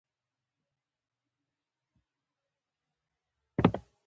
ه ټولنیزو شبکو کې لاس په لاس شوې